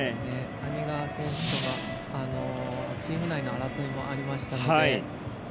谷川選手とのチーム内の争いもありましたので。